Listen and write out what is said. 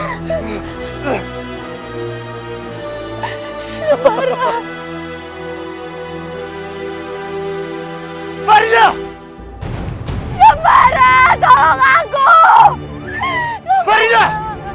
sembarah tolong aku sembarah